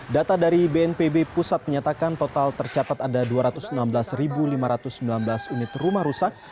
data dari bnpb pusat menyatakan total tercatat ada dua ratus enam belas lima ratus sembilan belas unit rumah rusak